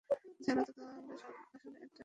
জানো তো, তোমার আসলে একটা কিন্ডেল দরকার।